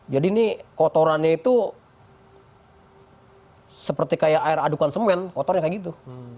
jadi ini kotorannya itu seperti kayak air adukan semen kotornya kayak gitu